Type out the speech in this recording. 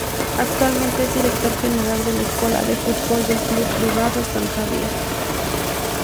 Actualmente es Director General de la escuela de fútbol del club Privado San Javier